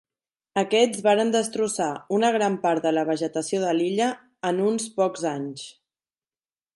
Aquests varen destrossar una gran part de la vegetació de l'illa en uns pocs anys.